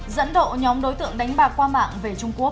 dẫn độ nhóm đối tượng đánh bạc qua mạng về trung quốc